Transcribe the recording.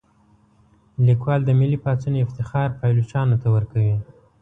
لیکوال د ملي پاڅون افتخار پایلوچانو ته ورکوي.